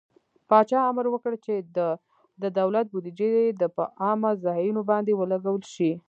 پاچا امر وکړ چې د دولت بودجې د په عامه ځايونو باندې ولګول شي.